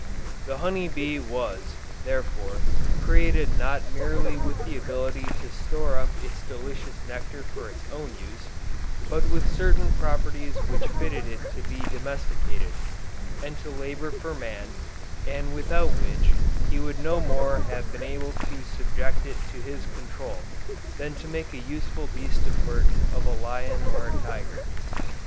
The honey bee was, therefore, created not merely with the ability to store up its delicious nectar for its own use, but with certain properties which fitted it to be domesticated, and to labor for man, and without which, he would no more have been able to subject it to his control, than to make a useful beast of burden of a lion or a tiger.